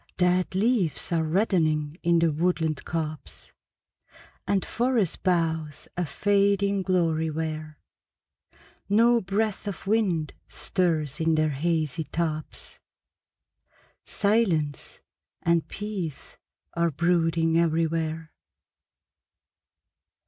Dead leaves are reddening in the woodland copse, And forest boughs a fading glory wear; No breath of wind stirs in their hazy tops, Silence and peace are brooding everywhere.